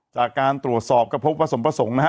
จากการตรวจสอบก็พบว่าสมประสงค์นะฮะ